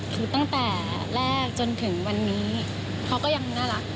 คือตั้งแต่แรกจนถึงวันนี้เขาก็ยังน่ารัก